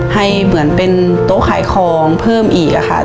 ให้เหมือนเป็นโต๊ะขายของเพิ่มอีกอะค่ะ